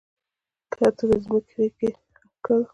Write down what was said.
کښته د مځکې غیږ کې ښخ کړله